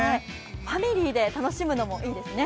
ファミリーで楽しむのもいいですね。